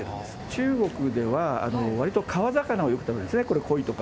中国ではわりと川魚を食べるんですね。